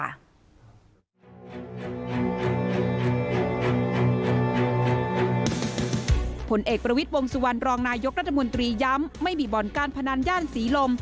ผลเอกประวิทย์วงสุวรรณรองนายกรัฐมนตรีย้ำไม่มีบ่อนการพนันย่านศรีลม